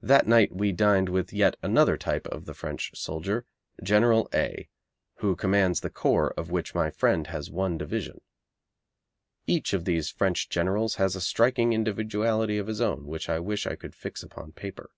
That night we dined with yet another type of the French soldier, General A., who commands the corps of which my friend has one division. Each of these French generals has a striking individuality of his own which I wish I could fix upon paper.